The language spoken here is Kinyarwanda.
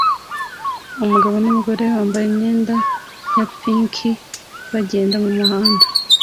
Umugabo numugore bambaye imyenda ya pank bagenda mumuhanda